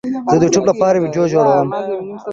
زه د یوټیوب لپاره ویډیو جوړوم